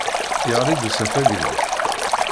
Yeɣli-d usafag-nni?